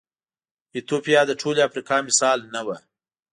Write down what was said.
ایتوپیا د ټولې افریقا مثال نه و.